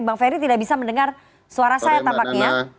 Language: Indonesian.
bang ferry tidak bisa mendengar suara saya tampaknya